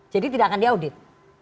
jadi tidak akan diaudit